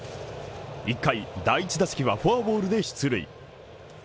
１回、第１打席はフォアボールで出塁。